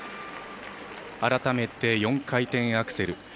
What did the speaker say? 改めて４回転アクセル。